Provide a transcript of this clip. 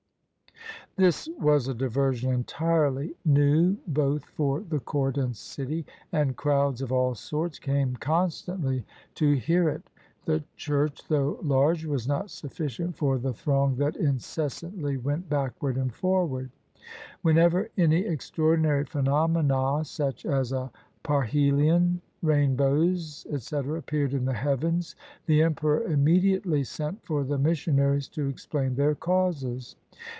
This was a diversion entirely new both for the court and city, and crowds of all sorts came constantly to hear 1 60 TEACHING SCIENCE TO THE EMPEROR it; the church, though large, was not sufficient for the throng that incessantly went backward and forward. Whenever any extraordinary phenomena, such as a parhelion, rainbows, etc., appeared in the heavens, the emperor immediately sent for the missionaries to explain their causes.